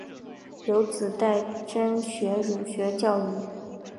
有子戴槚任儒学教谕。